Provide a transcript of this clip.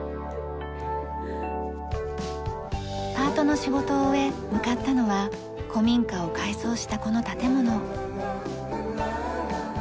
パートの仕事を終え向かったのは古民家を改装したこの建物。